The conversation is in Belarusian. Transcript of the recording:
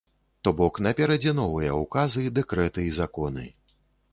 То бок, наперадзе новыя ўказы, дэкрэты і законы.